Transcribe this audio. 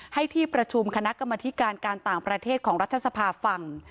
ให้ที่ประชุมคณะกรรมธิการการต่างประเทศของรัฐสภาฟัง